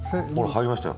入りましたよ。